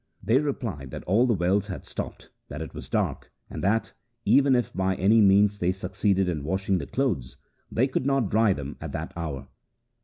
They replied that all the wells had stopped, 1 that it was dark, and that, even if by any means they succeeded in washing the clothes, they could not dry them at that hour.